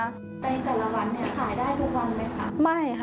ในแต่ละวันขายได้ทุกวันไหมค่ะ